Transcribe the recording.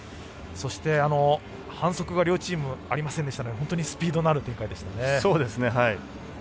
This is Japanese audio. そして、反則が両チームありませんでしたので本当にスピードのある展開でしたね。